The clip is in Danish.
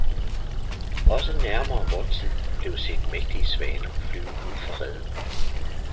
Også nærmere vor tid blev set mægtige svaner flyve ud fra reden.